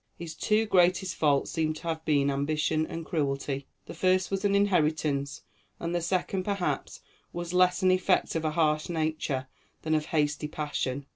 His two greatest faults seem to have been ambition and cruelty; the first was an inheritance, and the second, perhaps, was less an effect of a harsh nature than of hasty passion.